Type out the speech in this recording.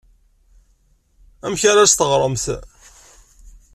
Amek ara as-teɣremt?